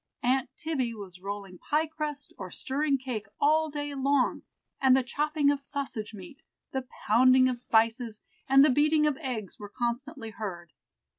Aunt Tibby was rolling pie crust or stirring cake all day long, and the chopping of sausage meat, the pounding of spices, and the beating of eggs were constantly heard.